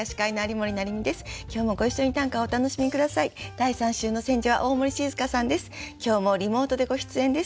第３週の選者は大森静佳さんです。